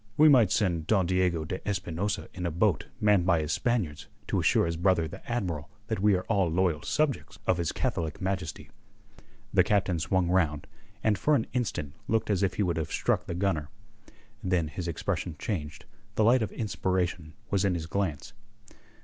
"We might send Don Diego de Espinosa in a boat manned by his Spaniards to assure his brother the Admiral that we are all loyal subjects of his Catholic Majesty." The Captain swung round, and for an instant looked as if he would have struck the gunner. Then his expression changed: the light of inspiration Was in his glance.